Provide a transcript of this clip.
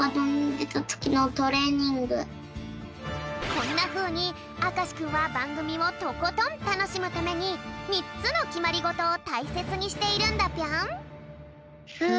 こんなふうにあかしくんはばんぐみをとことんたのしむためにみっつのきまりごとをたいせつにしているんだぴょん！